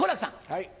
はい。